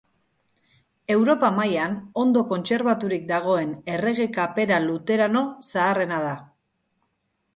Europa mailan ondo kontserbaturik dagoen Errege kapera luterano zaharrena da.